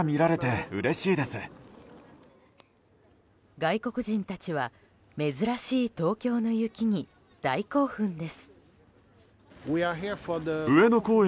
外国人たちは珍しい東京の雪に大興奮です。